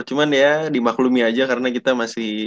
cuman ya dimaklumi aja karena kita masih